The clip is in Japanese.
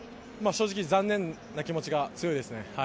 残念な気持ちが強いです。